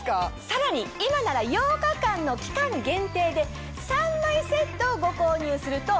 さらに今なら８日間の期間限定で３枚セットをご購入すると。